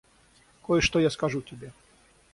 Кое-что я скажу тебе.